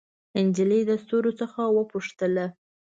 نجلۍ د ستورو څخه وپوښتله